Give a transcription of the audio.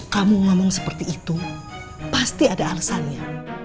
kamu ngomong seperti itu pasti ada alasannya